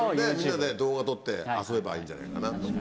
でみんなで動画撮って遊べばいいんじゃないかな。